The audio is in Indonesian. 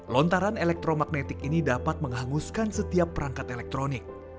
lontaran elektromagnetik ini dapat menghanguskan setiap perangkat elektronik